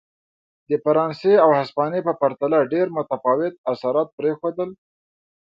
د فرانسې او هسپانیې په پرتله ډېر متفاوت اثرات پرېښودل.